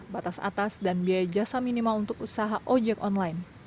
batas atas dan biaya jasa minimal untuk usaha ojek online